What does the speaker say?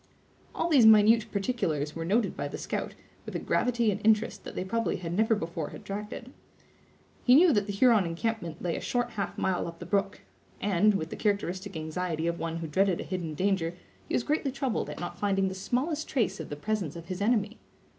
All these minute particulars were noted by the scout, with a gravity and interest that they probably had never before attracted. He knew that the Huron encampment lay a short half mile up the brook; and, with the characteristic anxiety of one who dreaded a hidden danger, he was greatly troubled at not finding the smallest trace of the presence of his enemy.